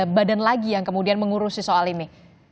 ada badan lagi yang kemudian mengurusi soal ini